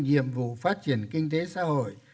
nhiệm vụ phát triển kinh tế xã hội